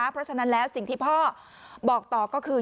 เพราะฉะนั้นแล้วสิ่งที่พ่อบอกต่อก็คือ